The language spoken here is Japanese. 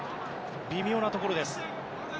微妙なところです。